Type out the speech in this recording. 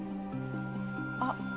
あっ。